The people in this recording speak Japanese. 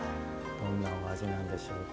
どんなお味なんでしょうか。